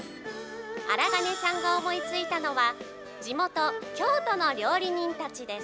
荒金さんが思いついたのは、地元、京都の料理人たちです。